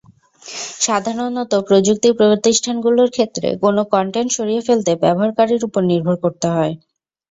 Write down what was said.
সাধারণত প্রযুক্তি প্রতিষ্ঠানগুলোর ক্ষেত্রে কোনো কনটেন্ট সরিয়ে ফেলতে ব্যবহারকারীর ওপর নির্ভর করতে হয়।